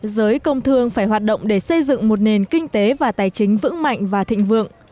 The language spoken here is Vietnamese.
giới công thương phải hoạt động để xây dựng một nền kinh tế và tài chính vững mạnh và thịnh vượng